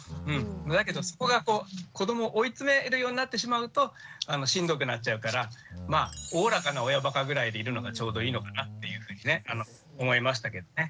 だけどそこがこう子どもを追い詰めるようになってしまうとしんどくなっちゃうからおおらかな親ばかぐらいでいるのがちょうどいいのかなっていうふうにね思いましたけどね。